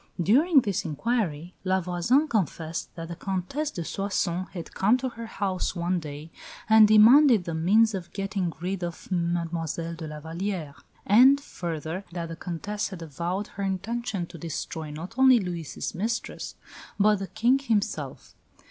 During this inquiry La Voisin confessed that the Comtesse de Soissons had come to her house one day "and demanded the means of getting rid of Mile de la Vallière"; and, further, that the Comtesse had avowed her intention to destroy not only Louis' mistress, but the King himself.